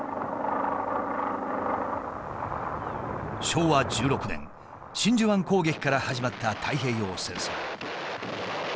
昭和１６年真珠湾攻撃から始まった太平洋戦争。